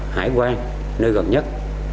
hải quan nơi gần nhất